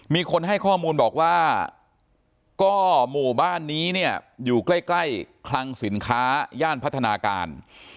มีคนให้ข้อมูลบอกว่าก็หมู่บ้านนี้เนี่ยอยู่ใกล้คลังสินค้าย่านพัฒนาการ